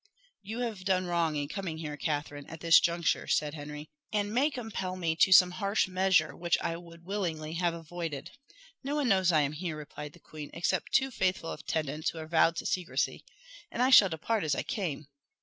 "You have, done wrong in coming here, Catherine, at this juncture," said Henry, "and may compel me to some harsh measure which I would willingly have avoided." "No one knows I am here," replied the queen, "except two faithful attendants, who are vowed to secrecy; and I shall depart as I came."